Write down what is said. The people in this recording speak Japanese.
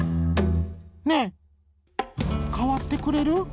「ねえかわってくれる？」。